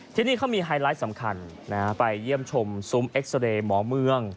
ที่นี่เขามีไฮไลท์สำคัญไปเยี่ยมชมซุ้มเอ็กซาเรย์หมอเมือง